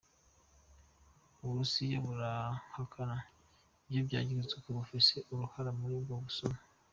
Uburusiya burahakana ivyo bwagirizwa ko bufise uruhara muri ubwo busuma.